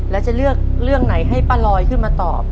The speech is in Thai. แล้วจะเลือกเรื่องไหนให้ป้าลอยขึ้นมาตอบ